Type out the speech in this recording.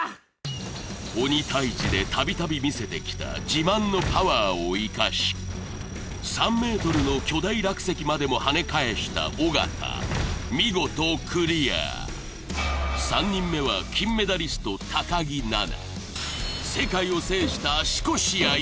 鬼タイジで度々見せてきた自慢のパワーを生かし３ｍの巨大落石までもはね返した尾形見事クリア３人目は金メダリスト木菜那いかに？